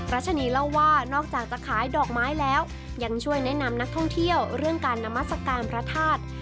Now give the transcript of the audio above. รัชนีเล่าว่านอกจากจะขายดอกไม้แล้วยังช่วยแนะนำนักท่องเที่ยวเรื่องการนามัศกาลพระธาตุ